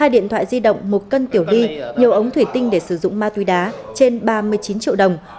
hai điện thoại di động một cân tiểu ly nhiều ống thủy tinh để sử dụng ma túy đá trên ba mươi chín triệu đồng